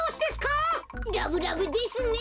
ラブラブですね。